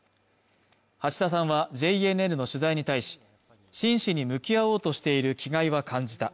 橋田さんはＪＮＮの取材に対し真摯に向き合おうとしている気概は感じた